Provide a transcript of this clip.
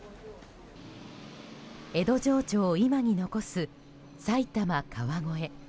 江戸情緒を今に残す埼玉・川越。